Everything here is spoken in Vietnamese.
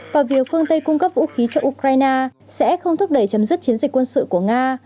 và việc phương tây cung cấp vũ khí cho ukraine sẽ không thúc đẩy chấm dứt chiến dịch quân sự của nga